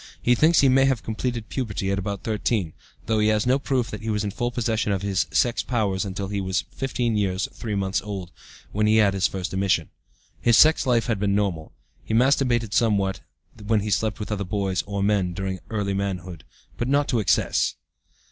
He thinks he may have completed puberty at about 13, though he has no proof that he was in the full possession of his sex powers until he was 15 years 3 months old (when he had his first emission). His sex life has been normal. He masturbated somewhat when he slept with other boys (or men) during early manhood, but not to excess.